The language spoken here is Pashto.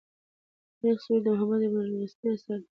تاریخ سوري د محمد بن علي البستي اثر دﺉ.